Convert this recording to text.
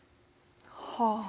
はあ。